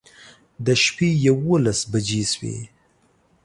د شپې يوولس بجې شوې